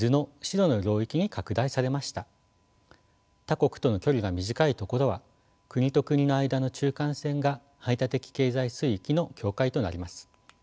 他国との距離が短いところは国と国の間の中間線が排他的経済水域の境界となります。